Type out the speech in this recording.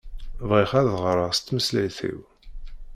Bɣiɣ ad ɣreɣ s tmeslayt-iw.